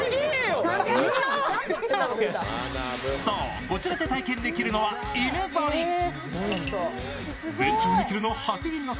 そう、こちらで体験できるのは犬ぞり。